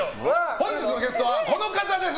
本日のゲスト、この方です。